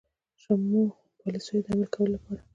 شومو پالیسیو د عملي کولو لپاره.